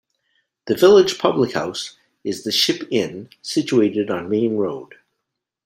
The village public house is the Ship Inn, situated on Main Road.